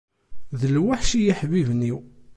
D lweḥc i yiḥbiben-iw.